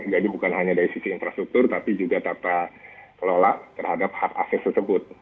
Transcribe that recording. jadi bukan hanya dari sisi infrastruktur tapi juga data kelola terhadap hak access tersebut